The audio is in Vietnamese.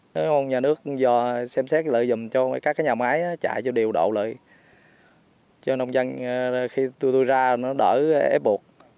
các nhà nước xem xét lợi dùm cho các nhà máy chạy cho điều đậu lợi cho nông dân khi tui tui ra nó đỡ ép buộc